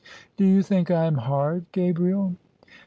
" Do you think I am hard, Gabriel?